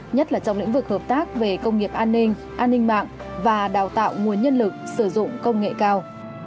nhất là trong lĩnh vực hợp tác về công nghiệp an ninh an ninh mạng và đào tạo nguồn nhân lực sử dụng công nghệ cao